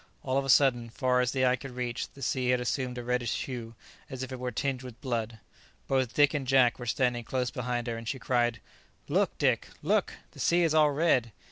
All of a sudden, far as the eye could reach, the sea had assumed a reddish hue, as if it were tinged with blood. Both Dick and Jack were standing close behind her, and she cried, "Look, Dick, look! the sea is all red.